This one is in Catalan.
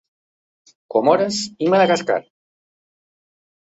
Comores i Madagascar.